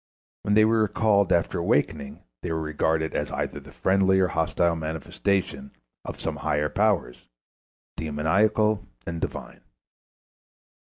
When they were recalled after awakening they were regarded as either the friendly or hostile manifestation of some higher powers, demoniacal and Divine.